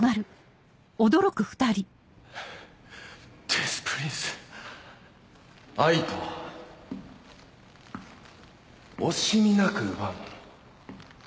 デス・プリンス⁉愛とは惜しみなく奪うもの。